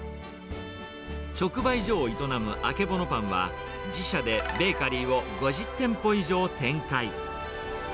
直売所を営むあけぼのパンは、自社でベーカリーを５０店舗以上展開。